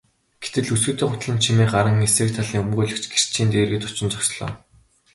Гэтэл өсгийтэй гутлын чимээ гаран эсрэг талын өмгөөлөгч гэрчийн дэргэд очин зогслоо.